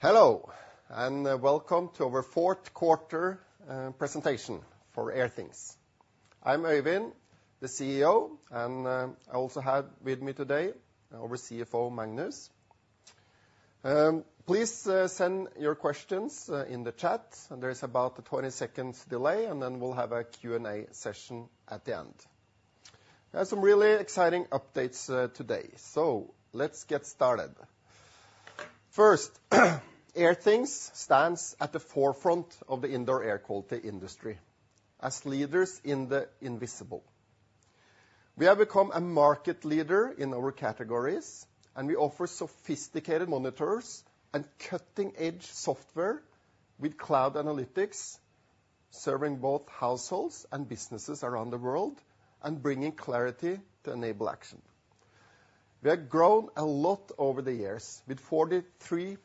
Hello, and welcome to our fourth quarter presentation for Airthings. I'm Øyvind, the CEO, and I also have with me today our CFO, Magnus. Please send your questions in the chat, and there is about a 20-second delay, and then we'll have a Q&A session at the end. I have some really exciting updates today, so let's get started. First, Airthings stands at the forefront of the indoor air quality industry as leaders in the invisible. We have become a market leader in our categories, and we offer sophisticated monitors and cutting-edge software with cloud analytics, serving both households and businesses around the world and bringing clarity to enable action. We have grown a lot over the years, with 43%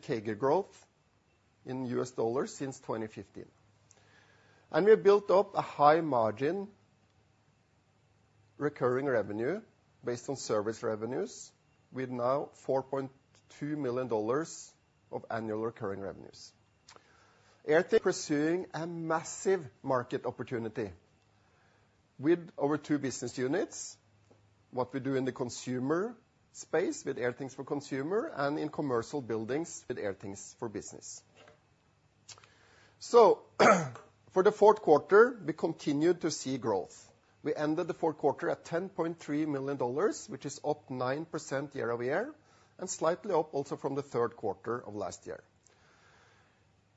CAGR growth in US dollars since 2015, and we have built up a high-margin recurring revenue based on service revenues, with now $4.2 million of annual recurring revenues. Airthings is pursuing a massive market opportunity with over two business units: what we do in the consumer space with Airthings for Consumer, and in commercial buildings with Airthings for Business. So, for the fourth quarter, we continued to see growth. We ended the fourth quarter at $10.3 million, which is up 9% year-over-year, and slightly up also from the third quarter of last year.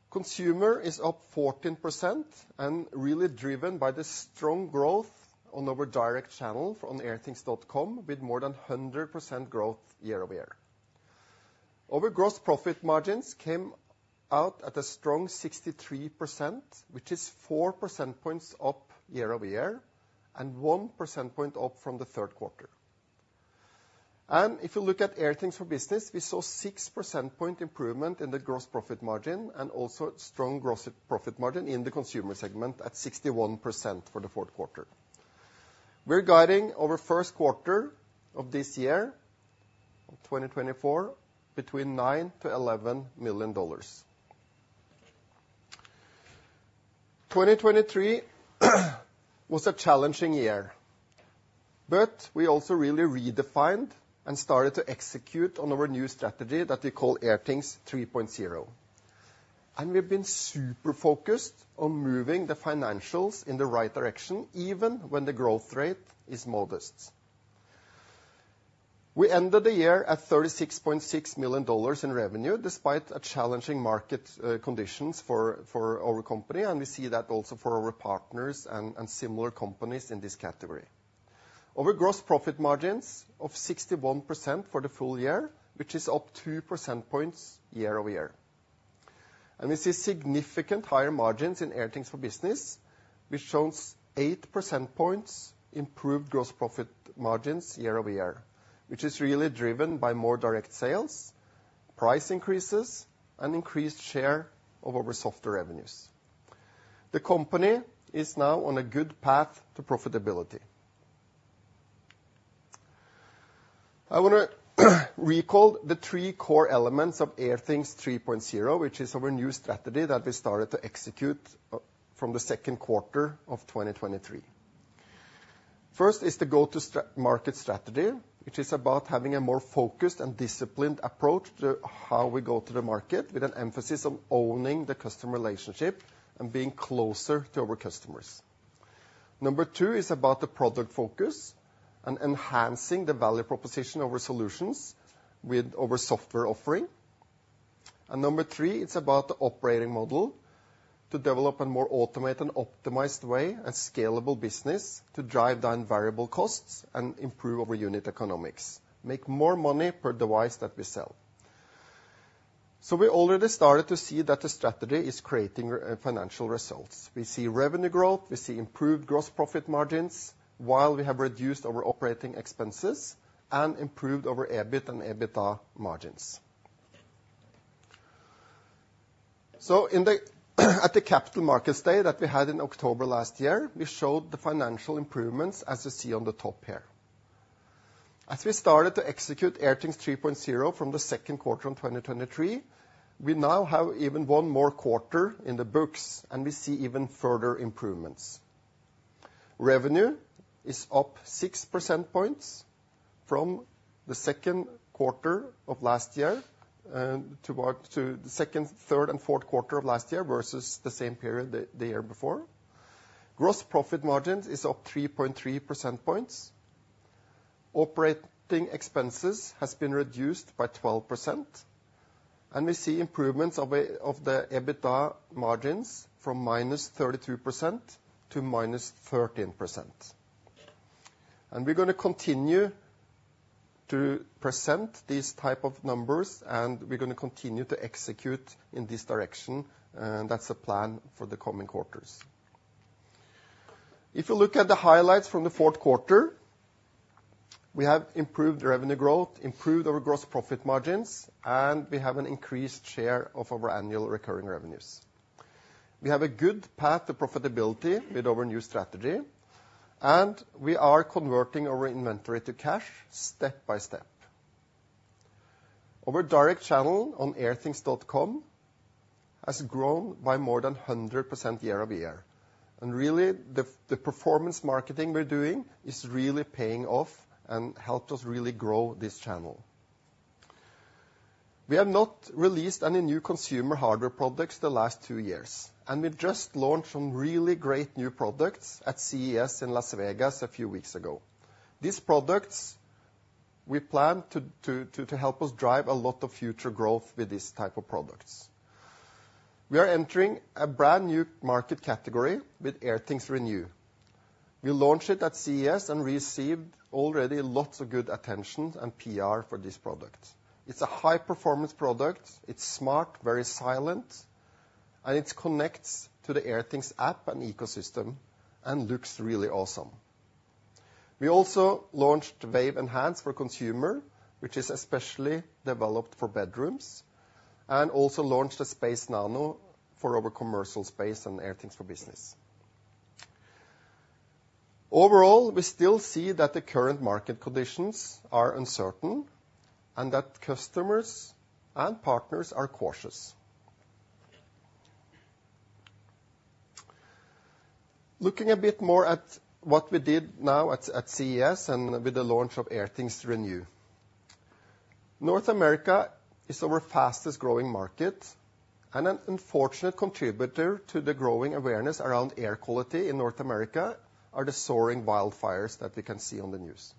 Consumer is up 14% and really driven by the strong growth on our direct channel on airthings.com, with more than 100% growth year-over-year. Our gross profit margins came out at a strong 63%, which is 4 percentage points up year over year, and 1 percentage point up from the third quarter. If you look at Airthings for Business, we saw 6 percentage point improvement in the gross profit margin, and also strong gross profit margin in the consumer segment at 61% for the fourth quarter. We're guiding our first quarter of this year, of 2024, between $9 million-$11 million. 2023 was a challenging year, but we also really redefined and started to execute on our new strategy that we call Airthings 3.0, and we've been super focused on moving the financials in the right direction, even when the growth rate is modest. We ended the year at $36.6 million in revenue, despite a challenging market conditions for, for our company, and we see that also for our partners and, and similar companies in this category. Our gross profit margins of 61% for the full year, which is up two percentage points year-over-year. We see significant higher margins in Airthings for Business, which shows eight percentage points improved gross profit margins year-over-year, which is really driven by more direct sales, price increases, and increased share of our software revenues. The company is now on a good path to profitability. I want to recall the three core elements of Airthings 3.0, which is our new strategy that we started to execute from the second quarter of 2023. First is the go-to-str... market strategy, which is about having a more focused and disciplined approach to how we go to the market, with an emphasis on owning the customer relationship and being closer to our customers. Number two is about the product focus and enhancing the value proposition of our solutions with our software offering. Number three, it's about the operating model: to develop a more automated and optimized way, a scalable business, to drive down variable costs and improve our unit economics. Make more money per device that we sell. So we already started to see that the strategy is creating financial results. We see revenue growth, we see improved gross profit margins, while we have reduced our operating expenses and improved our EBIT and EBITDA margins. So at the Capital Markets Day that we had in October last year, we showed the financial improvements, as you see on the top here. As we started to execute Airthings 3.0 from the second quarter in 2023, we now have even one more quarter in the books, and we see even further improvements. Revenue is up six percentage points from the second quarter of last year to the second, third, and fourth quarter of last year versus the same period the year before. Gross profit margins is up 3.3 percentage points. Operating expenses has been reduced by 12%, and we see improvements of the EBITDA margins from -32% to -13%. And we're going to continue to present these type of numbers, and we're going to continue to execute in this direction, and that's the plan for the coming quarters. If you look at the highlights from the fourth quarter, we have improved revenue growth, improved our gross profit margins, and we have an increased share of our annual recurring revenues… We have a good path to profitability with our new strategy, and we are converting our inventory to cash step by step. Our direct channel on airthings.com has grown by more than 100% year-over-year, and really, the performance marketing we're doing is really paying off and helped us really grow this channel. We have not released any new consumer hardware products the last two years, and we've just launched some really great new products at CES in Las Vegas a few weeks ago. These products, we plan to help us drive a lot of future growth with these type of products. We are entering a brand-new market category with Airthings Renew. We launched it at CES and received already lots of good attention and PR for this product. It's a high-performance product, it's smart, very silent, and it connects to the Airthings app and ecosystem and looks really awesome. We also launched Wave Enhance for consumer, which is especially developed for bedrooms, and also launched a Space Nano for our commercial space and Airthings for Business. Overall, we still see that the current market conditions are uncertain and that customers and partners are cautious. Looking a bit more at what we did now at CES and with the launch of Airthings Renew. North America is our fastest-growing market, and an unfortunate contributor to the growing awareness around air quality in North America are the soaring wildfires that we can see on the news.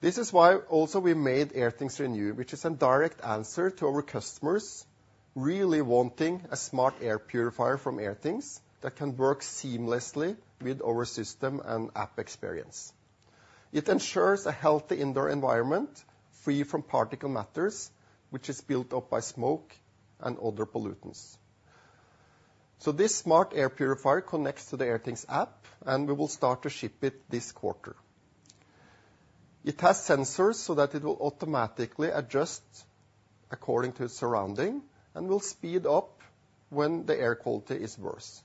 This is why also we made Airthings Renew, which is a direct answer to our customers really wanting a smart air purifier from Airthings that can work seamlessly with our system and app experience. It ensures a healthy indoor environment, free from particulate matter, which is built up by smoke and other pollutants. So this smart air purifier connects to the Airthings app, and we will start to ship it this quarter. It has sensors so that it will automatically adjust according to its surrounding and will speed up when the air quality is worse.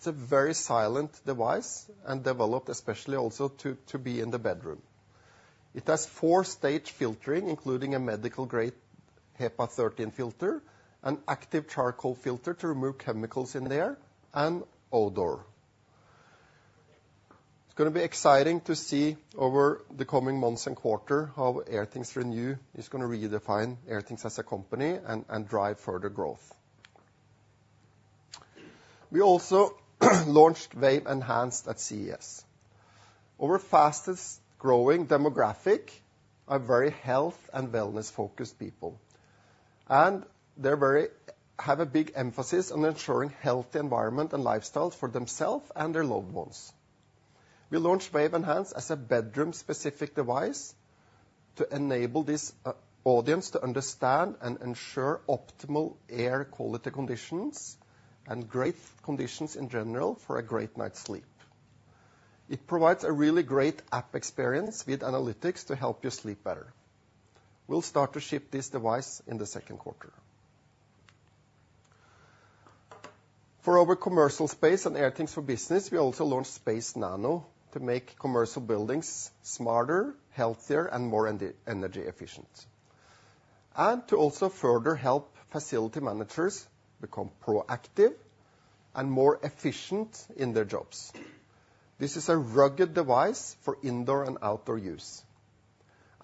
It's a very silent device and developed especially also to be in the bedroom. It has four-stage filtering, including a medical-grade HEPA 13 filter, an active charcoal filter to remove chemicals in the air, and odor. It's gonna be exciting to see over the coming months and quarter how Airthings Renew is gonna redefine Airthings as a company and, and drive further growth. We also launched Wave Enhance at CES. Our fastest-growing demographic are very health and wellness-focused people, and they're very... have a big emphasis on ensuring healthy environment and lifestyles for themselves and their loved ones. We launched Wave Enhance as a bedroom-specific device to enable this, audience to understand and ensure optimal air quality conditions and great conditions in general for a great night's sleep. It provides a really great app experience with analytics to help you sleep better. We'll start to ship this device in the second quarter. For our commercial space and Airthings for Business, we also launched Space Nano to make commercial buildings smarter, healthier, and more energy efficient, and to also further help facility managers become proactive and more efficient in their jobs. This is a rugged device for indoor and outdoor use,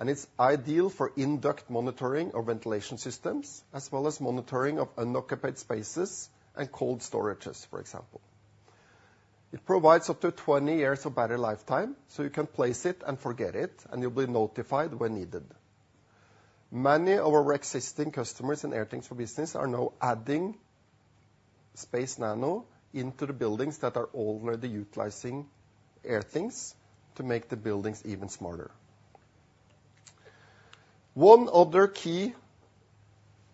and it's ideal for in-duct monitoring of ventilation systems, as well as monitoring of unoccupied spaces and cold storages, for example. It provides up to 20 years of battery lifetime, so you can place it and forget it, and you'll be notified when needed. Many of our existing customers in Airthings for Business are now adding Space Nano into the buildings that are already utilizing Airthings to make the buildings even smarter. One other key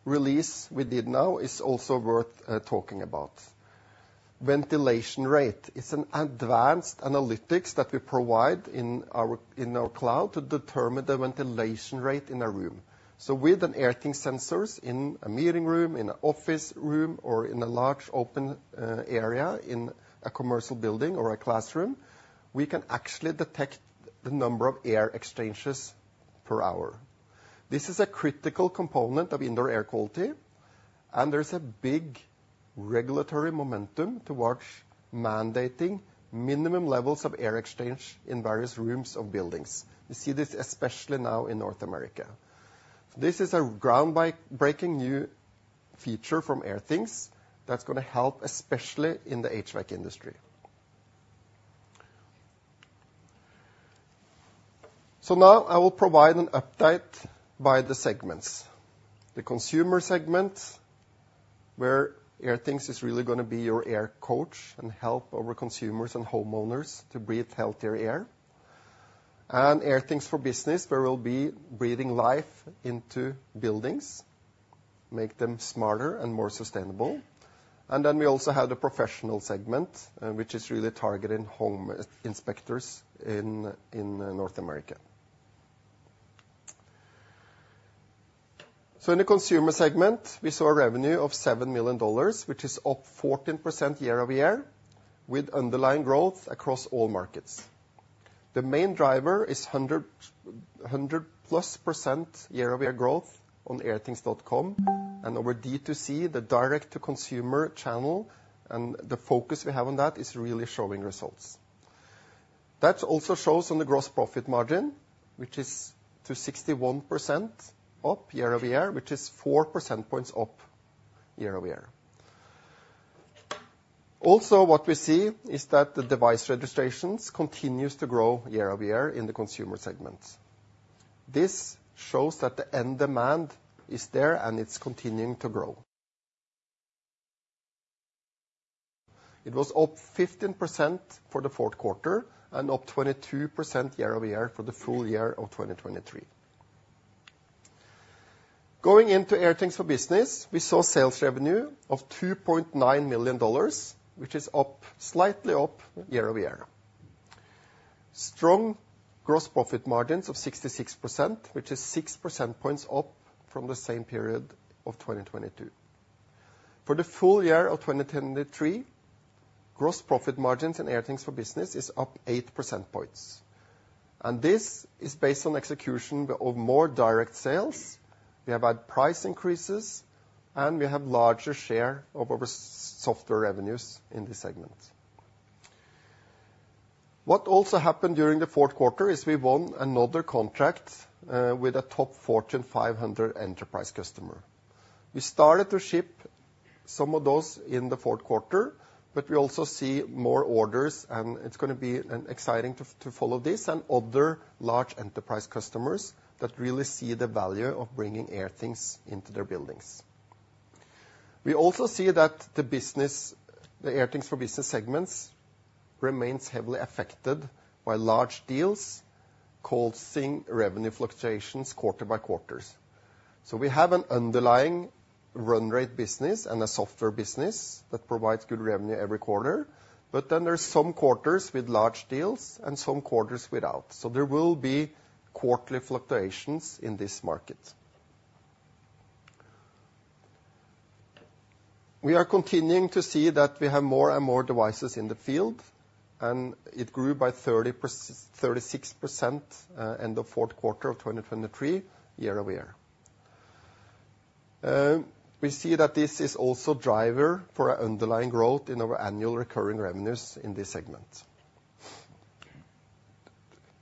release we did now is also worth talking about. Ventilation rate. It's an advanced analytics that we provide in our cloud to determine the ventilation rate in a room. So with an Airthings sensors in a meeting room, in a office room, or in a large open area in a commercial building or a classroom, we can actually detect the number of air exchanges per hour. This is a critical component of indoor air quality, and there's a big regulatory momentum towards mandating minimum levels of air exchange in various rooms of buildings. We see this especially now in North America. This is a ground-breaking new feature from Airthings that's gonna help, especially in the HVAC industry. So now I will provide an update by the segments. The consumer segment, where Airthings is really gonna be your air coach and help our consumers and homeowners to breathe healthier air. Airthings for Business, where we'll be breathing life into buildings, make them smarter and more sustainable. Then we also have the professional segment, which is really targeting home inspectors in North America. So in the consumer segment, we saw a revenue of $7 million, which is up 14% year-over-year, with underlying growth across all markets. The main driver is 100+ percent year-over-year growth on airthings.com. And our D2C, the direct-to-consumer channel, and the focus we have on that is really showing results. That also shows on the gross profit margin, which is 61% up year-over-year, which is 4 percentage points up year-over-year. Also, what we see is that the device registrations continues to grow year-over-year in the consumer segment. This shows that the end demand is there, and it's continuing to grow. It was up 15% for the fourth quarter and up 22% year-over-year for the full year of 2023. Going into Airthings for Business, we saw sales revenue of $2.9 million, which is up, slightly up year-over-year. Strong gross profit margins of 66%, which is 6 percentage points up from the same period of 2022. For the full year of 2023, gross profit margins in Airthings for Business is up 8 percentage points, and this is based on execution of more direct sales. We have had price increases, and we have larger share of our software revenues in this segment. What also happened during the fourth quarter is we won another contract with a top Fortune 500 enterprise customer. We started to ship some of those in the fourth quarter, but we also see more orders, and it's gonna be an exciting to follow this and other large enterprise customers that really see the value of bringing Airthings into their buildings. We also see that the business, the Airthings for Business segments, remains heavily affected by large deals, causing revenue fluctuations quarter by quarters. So we have an underlying run rate business and a software business that provides good revenue every quarter, but then there's some quarters with large deals and some quarters without. So there will be quarterly fluctuations in this market. We are continuing to see that we have more and more devices in the field, and it grew by 36%, in the fourth quarter of 2023 year-over-year. We see that this is also driver for our underlying growth in our annual recurring revenues in this segment.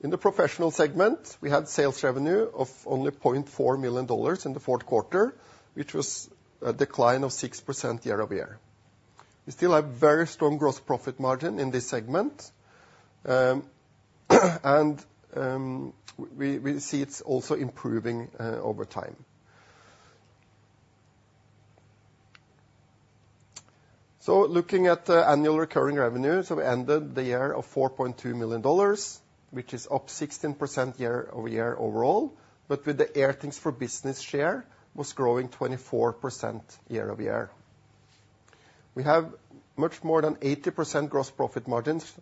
In the professional segment, we had sales revenue of only $0.4 million in the fourth quarter, which was a decline of 6% year-over-year. We still have very strong gross profit margin in this segment, and we see it's also improving over time. So looking at the annual recurring revenues, we ended the year of $4.2 million, which is up 16% year-over-year overall, but with the Airthings for Business share, was growing 24% year-over-year. We have much more than 80% gross profit margins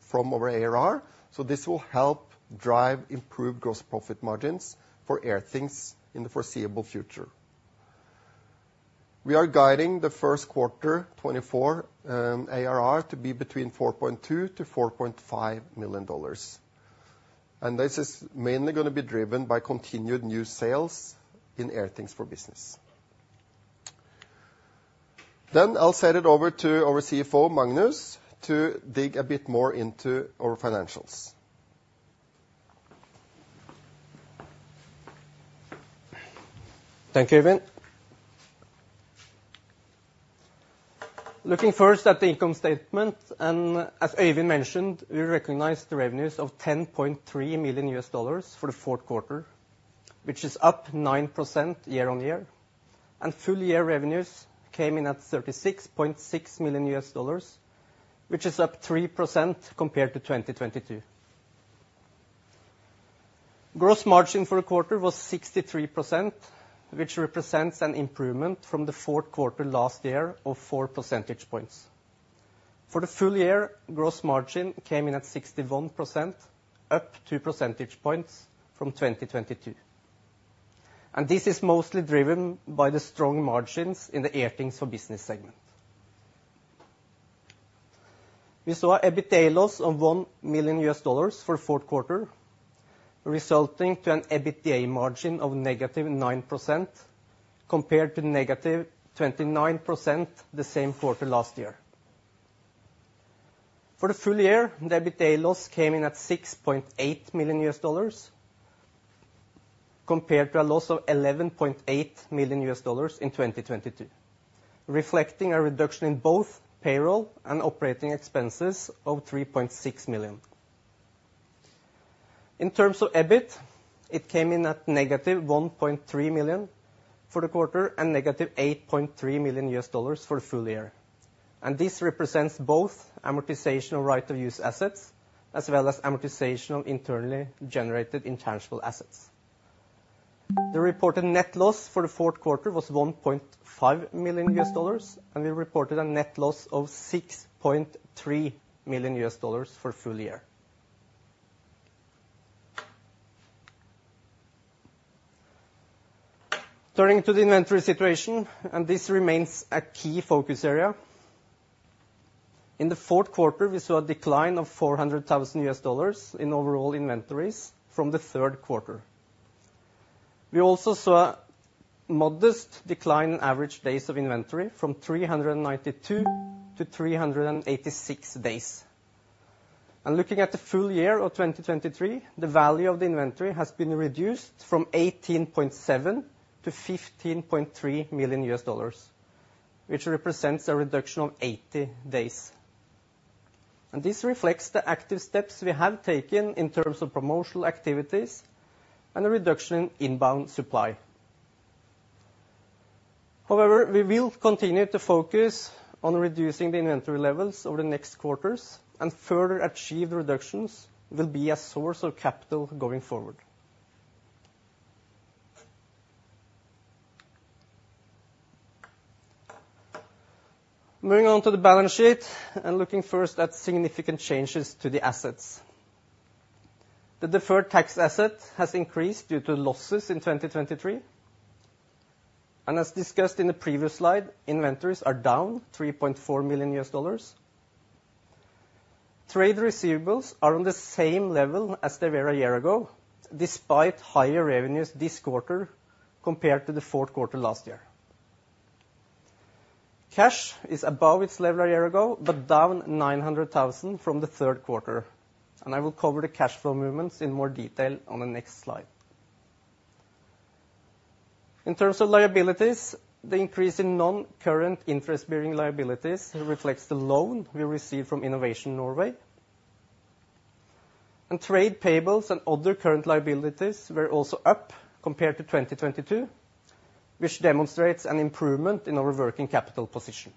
from our ARR, so this will help drive improved gross profit margins for Airthings in the foreseeable future. We are guiding the first quarter 2024, ARR, to be between $4.2 million-$4.5 million, and this is mainly gonna be driven by continued new sales in Airthings for Business. Then I'll send it over to our CFO, Magnus, to dig a bit more into our financials. Thank you, Øyvind. Looking first at the income statement, and as Øyvind mentioned, we recognized the revenues of $10.3 million for the fourth quarter, which is up 9% year-on-year. Full year revenues came in at $36.6 million, which is up 3% compared to 2022. Gross margin for a quarter was 63%, which represents an improvement from the fourth quarter last year of four percentage points. For the full year, gross margin came in at 61%, up two percentage points from 2022, and this is mostly driven by the strong margins in the Airthings for Business segment. We saw EBITDA loss of $1 million for fourth quarter, resulting to an EBITDA margin of -9% compared to -29% the same quarter last year. For the full year, the EBITDA loss came in at $6.8 million, compared to a loss of $11.8 million in 2022, reflecting a reduction in both payroll and operating expenses of $3.6 million. In terms of EBIT, it came in at negative $1.3 million for the quarter and negative $8.3 million for the full year, and this represents both amortization of right of use assets as well as amortization of internally generated intangible assets. The reported net loss for the fourth quarter was $1.5 million, and we reported a net loss of $6.3 million for full year.... Turning to the inventory situation, and this remains a key focus area. In the fourth quarter, we saw a decline of $400,000 in overall inventories from the third quarter. We also saw a modest decline in average days of inventory, from 392 to 386 days. Looking at the full year of 2023, the value of the inventory has been reduced from $18.7 million to $15.3 million, which represents a reduction of 80 days. This reflects the active steps we have taken in terms of promotional activities and a reduction in inbound supply. However, we will continue to focus on reducing the inventory levels over the next quarters, and further achieve the reductions will be a source of capital going forward. Moving on to the balance sheet, looking first at significant changes to the assets. The deferred tax asset has increased due to losses in 2023, and as discussed in the previous slide, inventories are down $3.4 million. Trade receivables are on the same level as they were a year ago, despite higher revenues this quarter compared to the fourth quarter last year. Cash is above its level a year ago, but down $900,000 from the third quarter, and I will cover the cash flow movements in more detail on the next slide. In terms of liabilities, the increase in non-current interest-bearing liabilities reflects the loan we received from Innovation Norway. Trade payables and other current liabilities were also up compared to 2022, which demonstrates an improvement in our working capital position.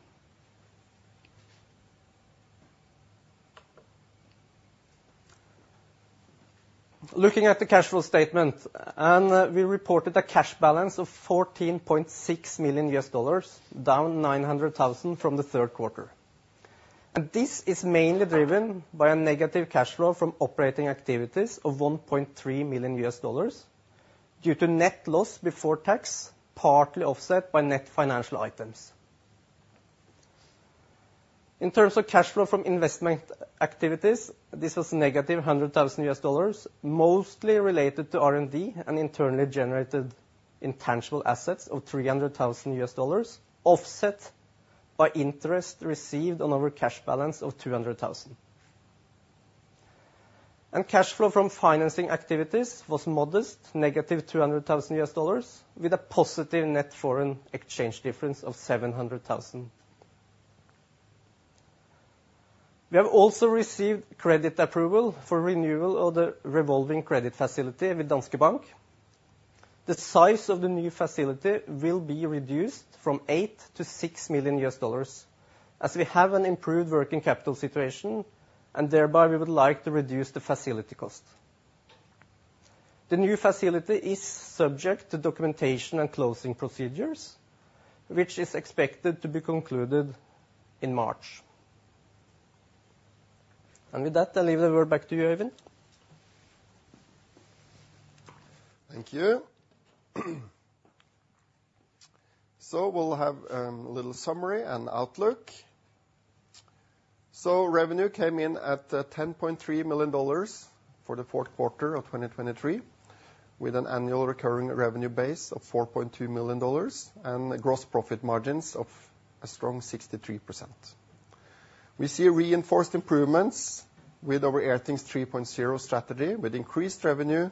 Looking at the cash flow statement, we reported a cash balance of $14.6 million, down $900,000 from the third quarter. This is mainly driven by a negative cash flow from operating activities of $1.3 million, due to net loss before tax, partly offset by net financial items. In terms of cash flow from investment activities, this was negative $100,000, mostly related to R&D and internally generated intangible assets of $300,000, offset by interest received on our cash balance of $200,000. Cash flow from financing activities was modest, negative $200,000, with a positive net foreign exchange difference of $700,000. We have also received credit approval for renewal of the revolving credit facility with Danske Bank. The size of the new facility will be reduced from $8 million to $6 million, as we have an improved working capital situation, and thereby we would like to reduce the facility cost. The new facility is subject to documentation and closing procedures, which is expected to be concluded in March. And With that, I leave the word back to you, Øyvind. Thank you. So we'll have a little summary and outlook. So revenue came in at $10.3 million for the fourth quarter of 2023, with an annual recurring revenue base of $4.2 million, and gross profit margins of a strong 63%. We see reinforced improvements with our Airthings 3.0 strategy, with increased revenue,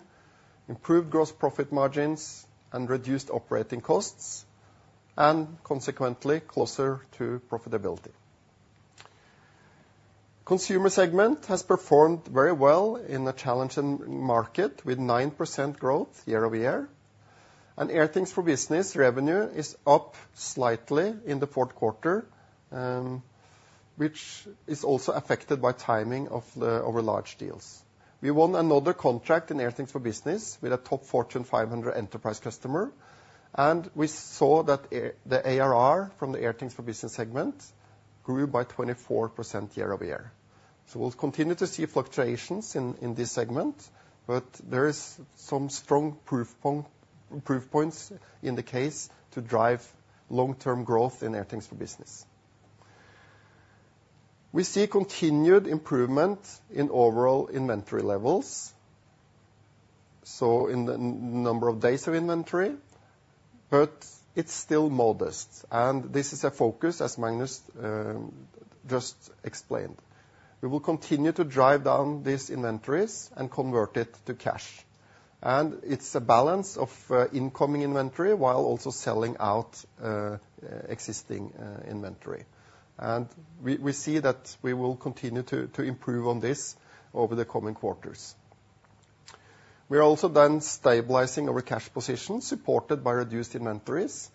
improved gross profit margins, and reduced operating costs, and consequently, closer to profitability. Consumer segment has performed very well in a challenging market, with 9% growth year-over-year. And Airthings for Business revenue is up slightly in the fourth quarter, which is also affected by timing of our large deals. We won another contract in Airthings for Business with a top Fortune 500 enterprise customer, and we saw that the ARR from the Airthings for Business segment grew by 24% year-over-year. So we'll continue to see fluctuations in this segment, but there is some strong proof point, proof points in the case to drive long-term growth in Airthings for Business. We see continued improvement in overall inventory levels, so in the number of days of inventory, but it's still modest, and this is a focus, as Magnus just explained. We will continue to drive down these inventories and convert it to cash, and it's a balance of incoming inventory while also selling out existing inventory. We see that we will continue to improve on this over the coming quarters. We are also stabilizing our cash position, supported by reduced inventories,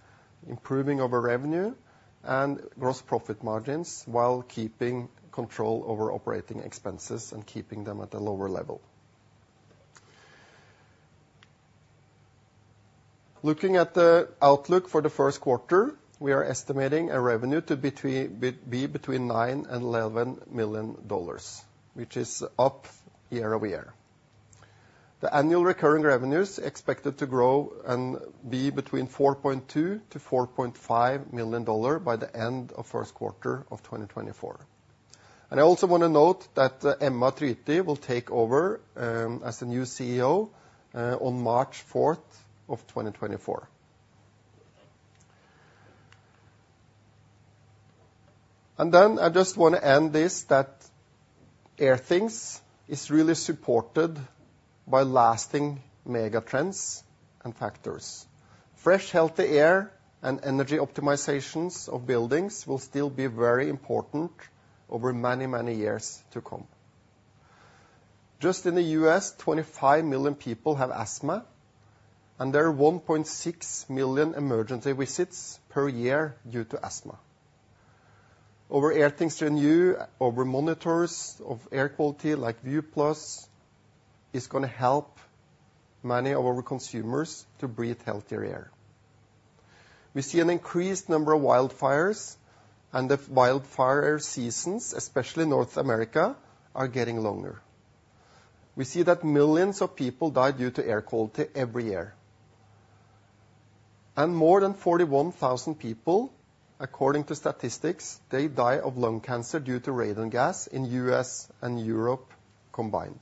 improving our revenue and gross profit margins, while keeping control over operating expenses and keeping them at a lower level. Looking at the outlook for the first quarter, we are estimating revenue to be between $9-$11 million, which is up year-over-year. The annual recurring revenue is expected to grow and be between $4.2-$4.5 million by the end of the first quarter of 2024. And I also want to note that Emma Tryti will take over as the new CEO on March 4, 2024. And then I just want to end this, that Airthings is really supported by lasting megatrends and factors. Fresh, healthy air and energy optimizations of buildings will still be very important over many, many years to come. Just in the U.S., 25 million people have asthma, and there are 1.6 million emergency visits per year due to asthma. Our Airthings Renew, our monitors of air quality, like View Plus, is going to help many of our consumers to breathe healthier air. We see an increased number of wildfires, and the wildfire seasons, especially in North America, are getting longer. We see that millions of people die due to air quality every year, and more than 41,000 people, according to statistics, they die of lung cancer due to radon gas in U.S. and Europe combined.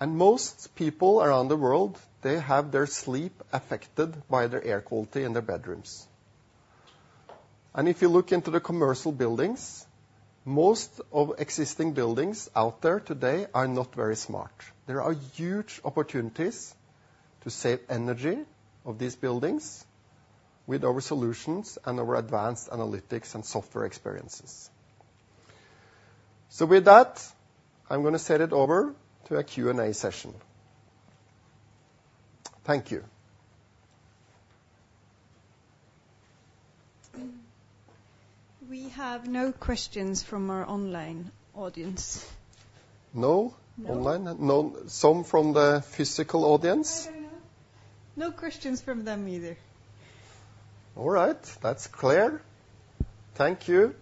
Most people around the world, they have their sleep affected by the air quality in their bedrooms. If you look into the commercial buildings, most of existing buildings out there today are not very smart. There are huge opportunities to save energy of these buildings with our solutions and our advanced analytics and software experiences. So with that, I'm going to set it over to our Q&A session. Thank you. We have no questions from our online audience. No online? No. No. Some from the physical audience? I don't know. No questions from them either. All right, that's clear. Thank you.